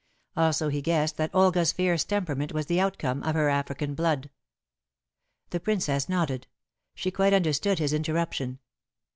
Also he guessed that Olga's fierce temperament was the outcome of her African blood. The Princess nodded. She quite understood his interruption.